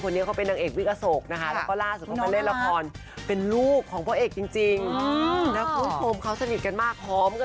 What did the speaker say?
เราก็พึ่งรู้ว่าเบี้ยเฟิร์นเป็นคนใต้แหล่งใต้กันนะคะ